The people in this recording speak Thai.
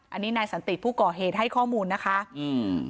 อันนี้นายสันติผู้ก่อเหตุให้ข้อมูลนะคะอืม